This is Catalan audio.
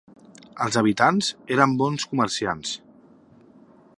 Els habitants eren bons comerciants.